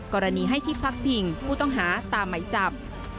กรณีให้ที่พักพิงผู้ต้องหาตามหมายจับ